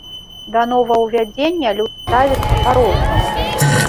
Да новаўвядзення люд ставіцца па-рознаму.